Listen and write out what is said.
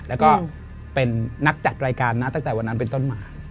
แล้วก็เป็นนักจัดรายการนะตั้งแต่วันนั้นเป็นต้นมา